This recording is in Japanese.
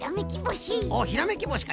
おっひらめきぼしか。